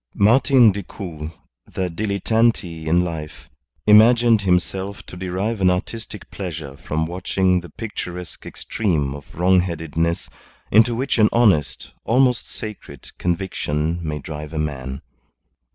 Martin Decoud, the dilettante in life, imagined himself to derive an artistic pleasure from watching the picturesque extreme of wrongheadedness into which an honest, almost sacred, conviction may drive a man.